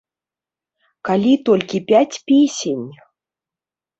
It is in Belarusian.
Калі толькі пяць песень?